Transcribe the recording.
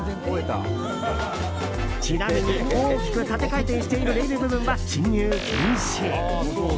ちなみに、大きく縦回転しているレール部分は進入禁止。